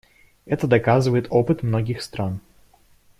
Это доказывает опыт многих стран.